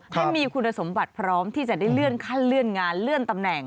ให้มีคุณสมบัติพร้อมที่จะได้เลื่อนขั้นเลื่อนงานเลื่อนตำแหน่ง